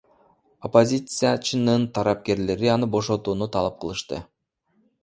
Оппозициячынын тарапкерлери аны бошотууну талап кылышты.